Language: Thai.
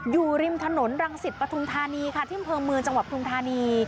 อยู่ริมถนนรังสิตปฐุมธานีค่ะที่อำเภอเมืองจังหวัดปทุมธานี